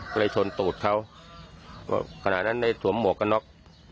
ก็เลยชนตูดเขาขณะนั้นได้สวมหมวกกันน็อก